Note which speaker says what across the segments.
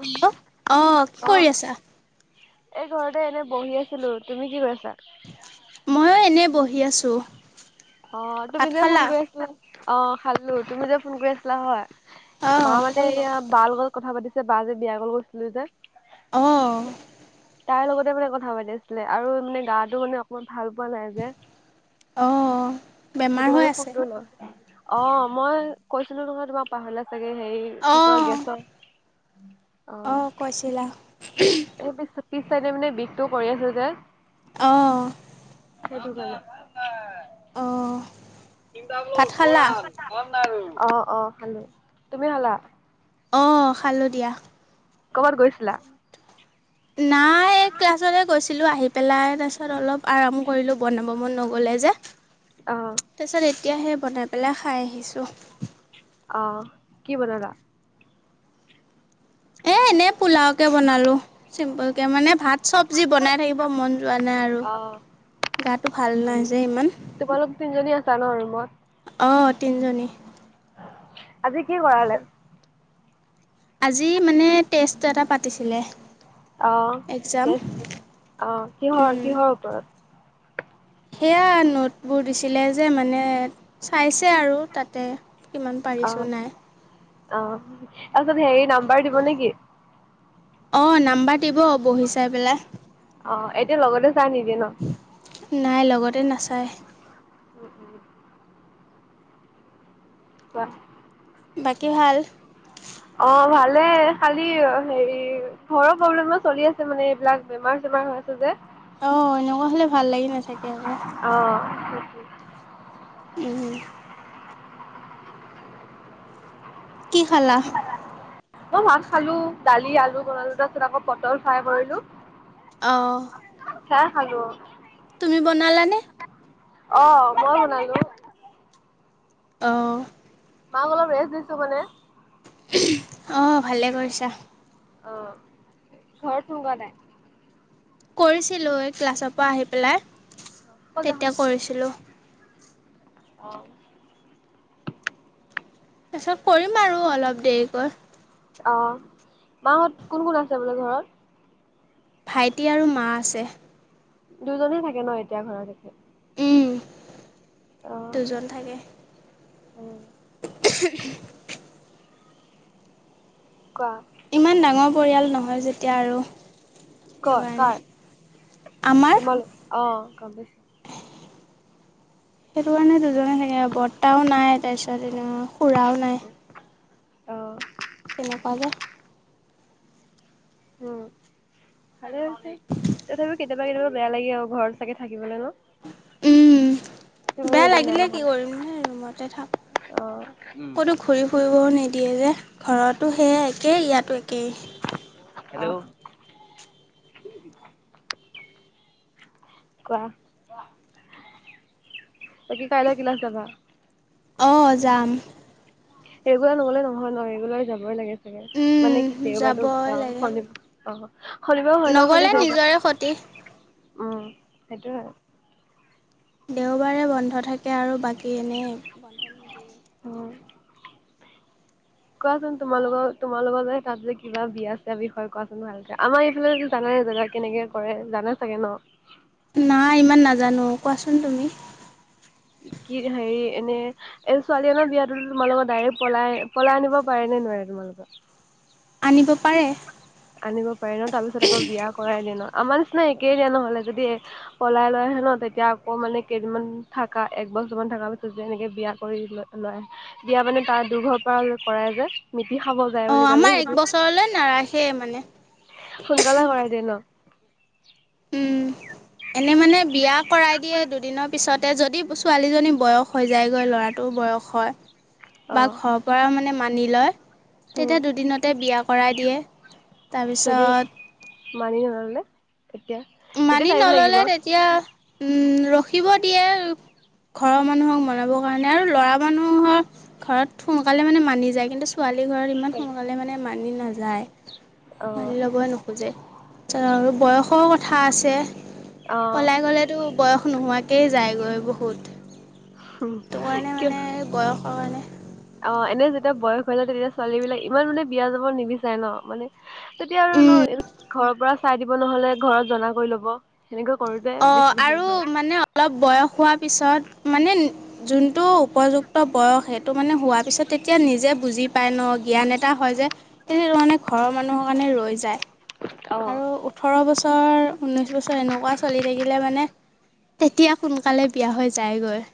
Speaker 1: Hello. অ' কি কৰি আছা?
Speaker 2: এই ঘৰতে এনে বহি আছিলো। তুমি কি কৰিছা?
Speaker 1: ময়ো এনে বহি আছো।
Speaker 2: অ' তুমি যে ফোন কৰি আছিলা। অ' খালো। তুমি যে ফোন কৰি আছিলা হয়
Speaker 1: অঁ
Speaker 2: মা মানে এয়া বাৰ লগত কথা পাতিছে। বা যে বিয়া ঘৰ গৈছিলো যে
Speaker 1: অঁ'।
Speaker 2: তাৰ লগতে মানে কথা পাতি আছিলে। আৰু মানে গাটো মানে অকণমান ভাল পোৱা নাই যে।
Speaker 1: অঁ বেমাৰ
Speaker 2: সেইটো
Speaker 1: হৈ
Speaker 2: কাৰণে
Speaker 1: আছে
Speaker 2: ফোনটো ন অ'। মই কৈছিলো নহয় তোমাৰ পাহৰিলা চাগে হেৰি কি ক
Speaker 1: অঁ
Speaker 2: গেছৰ অ
Speaker 1: অঁ কৈছিলা
Speaker 2: এ পিছ চাইডে মানে বিষটো কৰি আছে যে
Speaker 1: অঁ'।
Speaker 2: [unintelligible]
Speaker 1: অঁ ভাত খালা
Speaker 2: অ' অ' খালো। তুমি খালা?
Speaker 1: অঁ' খালো দিয়া।
Speaker 2: কৰবাত গৈছিলা?
Speaker 1: নাই এই ক্লাছতে গৈছিলো। আহি পেলাই তাৰ পিছত অলপ আৰাম কৰিলো বনাব মন নগলে এই যে
Speaker 2: আহ'।
Speaker 1: তেতিয়াহে বনাই পেলাই খাই আহিছোঁ
Speaker 2: আহ। কি বনালা?
Speaker 1: এ এনে পোলাও কে বনালো। চিম্পুল কে মানে ভাত চবজি বনাই থাকিব মন যোৱা নাই আৰু
Speaker 2: অ
Speaker 1: গাটো ভাল
Speaker 2: হে
Speaker 1: নাই যে ইমান।
Speaker 2: তোমালোক [unintelligible]
Speaker 1: অঁ তিনিজনী
Speaker 2: আজি কি কৰালে?
Speaker 1: আজি মানে টেষ্ট এটা পাতিছিলে।
Speaker 2: অহ,
Speaker 1: এক্সাম
Speaker 2: টেষ্ট অহ, কিহৰ, কিহৰ ওপৰত?
Speaker 1: সেয়া নোটবোৰ দিছিলে যে মানে চাইছে আৰু তাতে। ইমান
Speaker 2: অ
Speaker 1: পাৰিছোঁ নাই
Speaker 2: অ', তাৰপিছত হেৰি নাম্বাৰ দিব নেকি?
Speaker 1: অ নাম্বাৰ দিব বহি চাই পেলাই
Speaker 2: অ', এতিয়া লগতে চাই নিদিয়ে ন'?
Speaker 1: নাই লগতে নাচায়।
Speaker 2: উম, উম। বাঃ
Speaker 1: বাকী ভাল?
Speaker 2: অ', ভালে খালি হেৰি ঘৰৰ প্ৰব্লেমো চলি আছে মানে এইবিলাক বেমাৰ বেমাৰ হৈছে যে।
Speaker 1: অহ, এনেকুৱা হ'লে ভাল লাগি নাথাকে আকৌ। উম, হম। কি খালা?
Speaker 2: অ মই মাছ খালোঁ, দালি আলু বনালো তাৰপাছত আকৌ পটল ফ্ৰাই কৰিলোঁ।
Speaker 1: অ'।
Speaker 2: চাহ খালোঁ।
Speaker 1: তুমি বনালা নে?
Speaker 2: অ', মই বনালোঁ।
Speaker 1: অ'।
Speaker 2: মাক অলপ ৰেষ্ট দিছোঁ মানে।
Speaker 1: অ ভালেই কৰিছা
Speaker 2: অ ঘৰত [unintelligible] নাই
Speaker 1: কৰিছিলোঁ, এই ক্লাছৰ পৰা আহি পেলাই তেতিয়া কৰিছিলোঁ।
Speaker 2: অ'।
Speaker 1: পিছত কৰিম আৰু অলপ দেৰিকৈ।
Speaker 2: অঁ। মাঁহত কোন কোন আছে বোলে ঘৰত?
Speaker 1: ভাইটি আৰু মা আছে।
Speaker 2: দুজনে থাকে ন এতিয়া ঘৰতে
Speaker 1: উম। দুজন থাকে।
Speaker 2: উম
Speaker 1: [unintelligible]
Speaker 2: কোৱা?
Speaker 1: ইমান ডাঙৰ পৰিয়াল নহয় যেতিয়া আৰু সেইটো
Speaker 2: কৰ,
Speaker 1: কাৰণে
Speaker 2: কৰ।
Speaker 1: আমাৰ
Speaker 2: তোমালোক অ' গম পাইছো।
Speaker 1: সেইটো কাৰণে দুজনে থাকে আৰু। বৰ্তাও নাই তাৰপিছত এনে খুৰাও নাই।
Speaker 2: অ',
Speaker 1: তেনেকুৱ যে
Speaker 2: উম। ভালে হৈছে। তথাপিও কেতিয়াবা, কেতিয়াবা বেয়া লাগে আৰু ঘৰত চাগে থাকিবলৈ ন?
Speaker 1: উম
Speaker 2: [unintelligible] তুমিও
Speaker 1: বেয়া
Speaker 2: এতিয়া নাই
Speaker 1: লাগিলে কি
Speaker 2: ঘৰত
Speaker 1: কৰিম নহ ৰূমতে থক।
Speaker 2: অ
Speaker 1: কতো ঘৰি ফুৰিবও নিদি দিয়ে যে ঘৰতো সেয়াই একেই ইয়াতো একেই
Speaker 2: হেল্ল। কোৱা। বাকি কাইলৈ ক্লাছ যাবা?
Speaker 1: অ' যাম।
Speaker 2: ৰেগুলাৰ নগ'লে নহয় ন। ৰেগুলাৰ যাবই লগে
Speaker 1: উম
Speaker 2: মানে কি দেওবাৰটো
Speaker 1: যাবই
Speaker 2: অ'
Speaker 1: লাগে
Speaker 2: শনিব অ' শনিবাৰ হয় ন', খালি
Speaker 1: নগ'লে নিজৰে ক্ষতি
Speaker 2: দেওবাৰ উম সেইটোয়ে
Speaker 1: দেওবাৰে বন্ধ থাকে আৰু বাকী এনে বন্ধ নিদিয়ে।
Speaker 2: উম। কোৱাচোন তোমালোকৰ তোমালোকৰ যে তাত যে কিবা বিয়া চিয়া বিষয়ে কোৱাচোন ভালকে, আমাৰ এইফালে জানাই জানা কেনেকে কৰে জানে চাগে ন'?
Speaker 1: নাই ইমান নাজানো, কোৱাচোন তুমি।
Speaker 2: কি হেৰি এনে এই ছোৱালীজনৰ বিয়াতোটো তোমাৰ লগত ডাইৰেক্ট পলাই, পলাই আনিব পাৰে নে নোৱাৰে তোমালোকৰ।
Speaker 1: আনিব পাৰে।
Speaker 2: আনিব পাৰি ন' তাৰপিছত আকৌ বিয়া কৰাই দিনত। আমাৰ নিচিনা একেই দিয়া নহ'লে যদি পলাই লৈ আহে ন' তেতিয়া আকৌ মানে কেইদিনমান থকা এক [unintelligible] থাকা পিছত যে এনেকে বিয়া কৰি ল-লৈ বিয়া মানে তাৰ দুৰ্ঘৰ পৰা কৰাই যে। কি খাব যায়
Speaker 1: অ
Speaker 2: বুলি কৈ
Speaker 1: আমাৰ এক
Speaker 2: সেইটো
Speaker 1: বছৰলৈ নাৰাখে মানে
Speaker 2: সোনকালে কৰাই দিয়ে ন'?
Speaker 1: উম। এনে মানে বিয়া কৰাই দিয়ে দুদিনৰ পিছতে যদি ছোৱালীজনী বয়স হৈ যায়গৈ ল'ৰাটো। বয়স হয়।
Speaker 2: অ
Speaker 1: বা ঘৰৰ পৰা মানে মানি লয়
Speaker 2: উম
Speaker 1: তেতিয়া দুদিনতে বিয়া কৰাই দিয়ে।
Speaker 2: যদি
Speaker 1: তাৰপিছত
Speaker 2: মানি নল'লে? তেতিয়া তেতিয়া
Speaker 1: মানি
Speaker 2: টাইম লাগিব
Speaker 1: নল'লে তেতিয়া উম, ৰখিব দিয়ে। ঘৰৰ মানুহক মনাবৰ কাৰণে আৰু ল'ৰা মানুহৰ ঘৰত সোনকালে মানে মানি যায় কিন্তু ছোৱালী লীৰ ঘৰত ইমান সোনকালে মানে মানি নাযায়।
Speaker 2: অ
Speaker 1: মানি ল'বই নোখোজে চ আৰু বয়সৰ থা আছে
Speaker 2: অ
Speaker 1: পলাই গ'লেটো বয়স নোহোৱাকেই যায়গৈ বহুত। সটো কাৰণে
Speaker 2: কিয়
Speaker 1: মানে বয়সৰ কাৰণে
Speaker 2: অ', এনে যেতিয়া বয়স হৈ যায় তেতিয়া ছোৱালীবিলাক ইমান মানে বিয়া যাব নিবিচাৰে ন' মানে তেতিয়া আৰু আৰু
Speaker 1: উম,
Speaker 2: ন' ঘৰৰ পৰা চাই দিবলে হলে ঘৰত জনা কৰি ল'ব সেনেকৈ কৰোতে বেছি
Speaker 1: অ',
Speaker 2: হেৰি
Speaker 1: আৰু
Speaker 2: হয়
Speaker 1: মানে অলপ বয়স হোৱা পিছত মানে যোনটো উপযুক্ত বয়স সেইটো মানে হোৱাৰ পিছত তেতিয়া নিজে বুজি পায় ন জ্ঞান এটা হয় যে, তে ত মানে ঘৰৰ মানুহৰ কাৰণে ৰৈ যায়।
Speaker 2: অ
Speaker 1: আৰু উঠৰো বছৰ ঊনৈশ বছৰ এনেকুৱা ছোৱালী থাকিলে মানে তেতিয়া সোনকালে বিয়া হৈ জাইগৈ।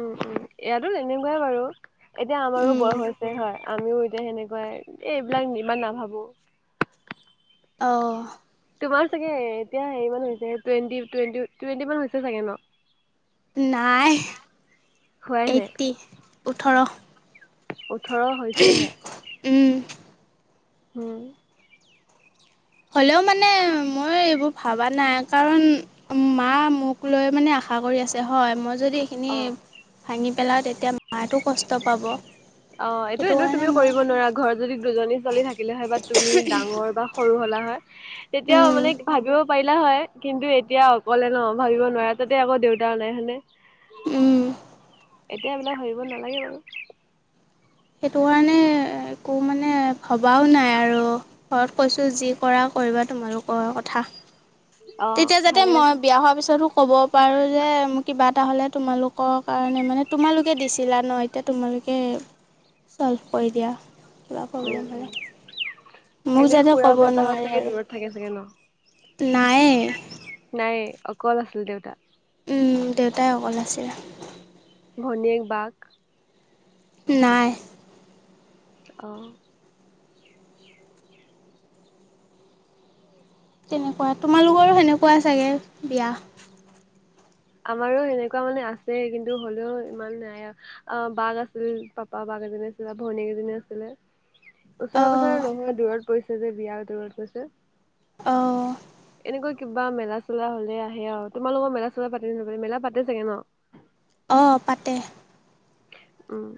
Speaker 2: উম, উম, ইয়াতো তেনেকুৱাই বাৰু। এতিয়া আমাৰো
Speaker 1: উম,
Speaker 2: বয়স হৈছে হয় আমিও এতিয়া সেনেকুৱাই এই এইবিলাক ইমান নাভাবো
Speaker 1: আহ
Speaker 2: তোমাৰ চাগে এতিয়া হেৰিান হৈছে টুৱেণ্টি, টুৱেট, টুৱেণ্টি মান হৈছে চাগে ন?
Speaker 1: নাই
Speaker 2: হোৱাই নাই
Speaker 1: এইট্টি ওঠৰ
Speaker 2: ওঠৰ হৈছেহে।
Speaker 1: উম।
Speaker 2: উম।
Speaker 1: হলেও মানে মই এইবোৰ ভবা নাই কাৰণ মা মোক লৈ মানে আশা আশা কৰি আছে হয় মই যদি এইখিনি
Speaker 2: অ
Speaker 1: ভাঙি পেলাওঁ তেতিয়া মায়ে টো কষ্ট পাব।
Speaker 2: অ' এইটো
Speaker 1: সেইটো
Speaker 2: এনেও
Speaker 1: কাৰণে
Speaker 2: তুমিও
Speaker 1: মই
Speaker 2: কৰিব নোৱাৰা ঘৰত যদি দুজনী ছোৱালী থাকিলে হয় বা তুমি ডাঙৰ বা সৰু হলা তেতিয়া
Speaker 1: উম
Speaker 2: মানে ভাবিব পাৰিলা হয়। কিন্তু এতিয়া অকলে ন ভাবিব নোৱা তাতে আকৌ দেউতাও নাই হায় নে।
Speaker 1: উম।
Speaker 2: এতিয়া এইবিলাক ভাবিব নালাগে বাৰু।
Speaker 1: সেইটো কাৰণে একো মানে ভবাও নাই আৰু। ঘৰত কৈছোঁ যি কৰা কৰিবা তোমালোকৰ কথা।
Speaker 2: অ
Speaker 1: তেতিয়া যাতে
Speaker 2: ভালে
Speaker 1: মই
Speaker 2: কৈছা
Speaker 1: বিয়া হোৱাৰ পিছতো ক'ব পাৰো যে মোৰ কিবা এটা হ'লে তোমালোকৰ কাৰণে মানে তোমালোকে দিছিলা ন এতিয়া তোমালোকে চল্ভ কৰি দিয়া। কিবা
Speaker 2: উম
Speaker 1: প্ৰব্লেম
Speaker 2: উম
Speaker 1: হ'লে। মোক
Speaker 2: এনে
Speaker 1: যাতে
Speaker 2: খুৰা,
Speaker 1: ক'ব
Speaker 2: বৰ্তাহত চাগে দূৰত থাকে চাগে ন?
Speaker 1: নায়েই।
Speaker 2: নয়েই। অকল আছিল দেউতা?
Speaker 1: উম। দেউতাই অকল আছিলে।
Speaker 2: ধনীয়েক বাক?
Speaker 1: নাই।
Speaker 2: অ'।
Speaker 1: তেনেকুৱা তোমালোকৰো সেনেকুৱা চাগে বিয়া
Speaker 2: আমাৰো এনেকুৱা মানে আছে কিন্তু হ'লেও ইমান নাই অ', বাঘ আছিল পাপা বাঘ [unintelligible] আছিলে বা ভনীয়েক এজনী আছিলে।
Speaker 1: অঁ
Speaker 2: ওচৰে-পাজৰে নহয় দূৰত পৰিছে যে বিয়া দূৰত পৰিছে।
Speaker 1: অ'।
Speaker 2: কিবা মেলা চেলা হ'লে আহে আৰু তোমালোকৰ মেলা চেলা পাতি [unintelligible] মেলা পাতে চাগে ন'?
Speaker 1: অ', পাতে।
Speaker 2: উম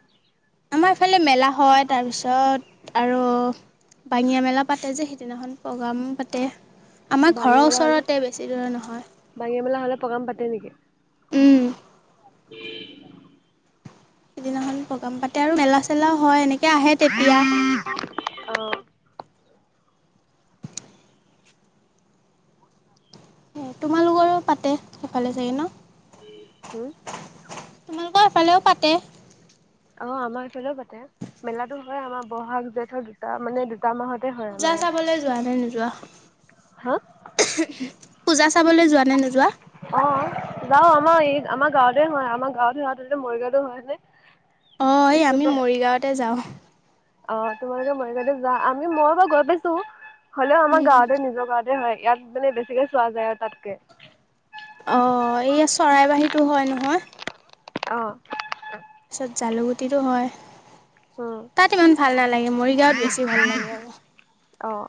Speaker 1: আমাৰ সেফালে মেলা হয় তাৰপিছত আৰু বাঙীয়া মেলা পাতে যে সিদিনাখন প্ৰগ্ৰাম পাতে। আমাৰ
Speaker 2: বাঙিয়া
Speaker 1: ঘৰৰ
Speaker 2: মেলা হ'লে
Speaker 1: ওচৰতে বেছি দূৰে
Speaker 2: বাঙিয়া মেলা হ'লে প্ৰগ্ৰাম পাতে নেকি?
Speaker 1: নহয়। উম।
Speaker 2: [inaudible]
Speaker 1: সেইদিনাখন প্ৰগ্ৰাম পাতে আৰু মেলা চেলাও হয় এনেকে আহে তেতিয়া।
Speaker 2: অহ।
Speaker 1: উম, তোমালোকৰো পাতে সেইফালে চাগে ন'?
Speaker 2: হম।
Speaker 1: তোমালোকৰ এফালেও পাতে
Speaker 2: অ', আমাৰ এইফালেও পাতে মেলাতো হয় আমাৰ বহাগ জেঠৰ দুটা মানে দু
Speaker 1: পূজা চাবলে যোৱা নে নোযোৱা
Speaker 2: হা?
Speaker 1: পূজা চাবলৈ যোৱা নে নোযোৱা?
Speaker 2: অ', এই আমাৰ এই আমাৰ গাঁৱতে হয় আমাৰ গাঁৱতে [unintelligible] মৰিগাওঁটো হয় নে?
Speaker 1: অ', এই আমি
Speaker 2: তাৰপিছতে
Speaker 1: মৰিগাঁৱতে যাওঁ।
Speaker 2: অ', তোমালোকে মৰিগাওঁতে যোৱা আমি মই বাৰু গৈ পাইছোঁ হ'লেও আমাৰ
Speaker 1: উম,
Speaker 2: গাঁৱতে নিজৰ গাঁৱতে এ, হয়, ইয়াত মানে বেছিকে চোৱা যায় আৰু তাতকে।
Speaker 1: অ', এইয়া চৰাইবাহীটো হয় নহয়?
Speaker 2: অ'।
Speaker 1: পিছত জালু গুটিতো হয়।
Speaker 2: উম
Speaker 1: তাত ইমান ভাল নালাগে মৰিগাঁৱত বেছি ভাল লাগে আৰু
Speaker 2: অ'।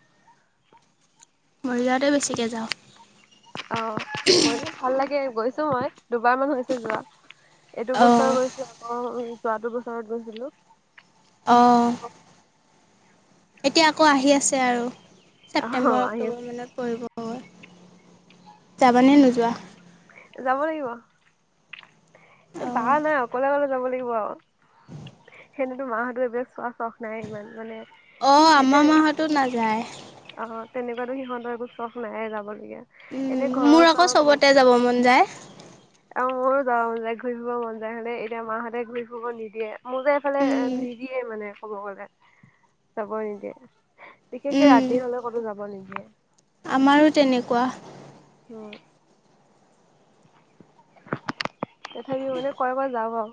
Speaker 1: মৰিগাঁৱতে বেছিকে যাওঁ।
Speaker 2: অ', মইনো ভাল লাগে গৈছো মই, দুবাৰ মান হৈছে যোৱা। এইটো বছৰ
Speaker 1: অ',
Speaker 2: গৈছিলো আকৌ যোৱাটো বছৰত গৈছিলো
Speaker 1: অ'। এতিয়া আকৌ আহি আছে আৰু
Speaker 2: অ
Speaker 1: ছেপ্টেম্বৰ,
Speaker 2: আহি
Speaker 1: অক্টোবৰ মানত পৰিব। গৈ, যাবানে নোযোৱা?
Speaker 2: যাব লাগিব বা
Speaker 1: অ',
Speaker 2: নাই অকলে কলে যাব লাগিব আৰু সেনেতো মাহঁতো এবয়া চোৱা চখ নাই ইমান মানে
Speaker 1: অ',
Speaker 2: এতিয়া
Speaker 1: আমাৰ
Speaker 2: অ
Speaker 1: মাহতো নাযায়।
Speaker 2: তেনেকুৱাতো সিহঁতৰ একো চখ নায়ে যাবলগীয়া। এনে
Speaker 1: উম,
Speaker 2: ঘৰৰ
Speaker 1: মোৰ আকৌ
Speaker 2: ওচৰৰ
Speaker 1: চবতে যাব মন যায়।
Speaker 2: অ', মোৰো [unintelligible] ঘূৰি ফুৰিব মন যায় হয়নে? এতিয়া মাহঁতে ঘূৰি ফুৰিব নিদিয়ে। মোৰ যে এফালে
Speaker 1: উম,
Speaker 2: নিদিয়ে মানে কব গলে। যাব নিদিয়ে বিশেষকে
Speaker 1: উম,
Speaker 2: ৰাতি হলে ক'তো যাব নিদিয়ে
Speaker 1: আমাৰো তেনেকুৱা।
Speaker 2: অ'। তথাপিও মানে কৈ কৈ যাম আও।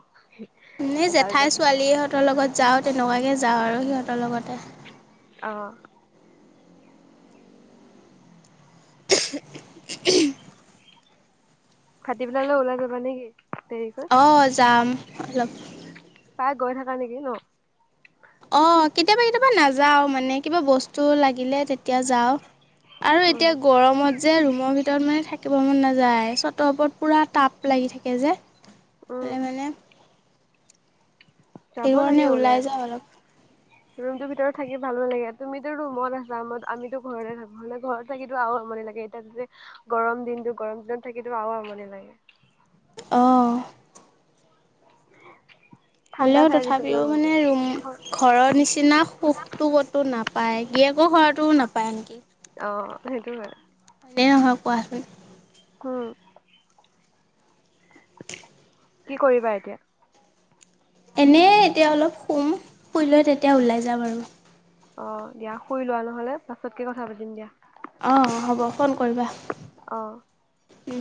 Speaker 1: এনেই জেঠাই ছোৱালীহঁতৰ লগত যাওঁ তেনেকুৱাকৈ যাওঁ আৰু সিহঁতৰ লগতে
Speaker 2: অ', খাটি পেলালৈ লেও ওলাই যাবা নে কি?
Speaker 1: অ', যাম অলপ।
Speaker 2: পাই গৈ থাকা নিকি ন?
Speaker 1: অ', কেতিয়াবা কেতিয়াবা নাযাও মানে কিবা বস্তু লাগিলে তেতিয়া যাওঁ। আৰু
Speaker 2: উম
Speaker 1: এতিয়া গৰমত যে ৰুমৰ ভিতৰত মানে থাকিব মন নাযায় চতৰ ওপৰত পুৰা টাপ লাগি থাকে যে
Speaker 2: উম
Speaker 1: এ মানে
Speaker 2: যাব
Speaker 1: সেইটো
Speaker 2: লাগে
Speaker 1: কাৰণে
Speaker 2: ওলাই
Speaker 1: যাওঁ
Speaker 2: কৰি
Speaker 1: অলপ
Speaker 2: ৰুমটো ভিতৰত থাকি ভালো লাগে তুমিতো ৰুমত আছা আমা‌ আমিতো ঘৰতে থাকো হলে ঘৰত থাকিতো আও মনি লাগে এতিয়াতে গৰম দিনতটো গৰম দিনত থাকো আৰু আমনি লাগে
Speaker 1: অ'।
Speaker 2: ঠাণ্ডা
Speaker 1: হ'লেও
Speaker 2: ঠাই বিচাৰিব
Speaker 1: তথাপিও
Speaker 2: মন
Speaker 1: মানে
Speaker 2: যায়
Speaker 1: ৰুম
Speaker 2: ঘৰ
Speaker 1: ঘৰৰ নিচিনা সুখটো ক'তো নাপ পায়, গিয়েকৰ ঘৰটো নাপায় আনকি।
Speaker 2: সেইটোয়ে
Speaker 1: হালে নহোৱা কোৱা
Speaker 2: উম কি কৰিবা এতিয়া?
Speaker 1: এনে এতিয়া অলপ শুম শুই লৈ তেতিয়া ওলাই যাম আৰু
Speaker 2: অ', দিয়া শুই লোৱা নহলে, পাছতকে কথা পাতিম দিয়া।
Speaker 1: অ', হ'ব ফোন কৰিবা।
Speaker 2: অ
Speaker 1: উ।